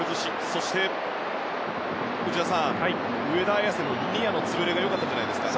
そして、内田さん上田綺世のニアの潰れが良かったんじゃないですか。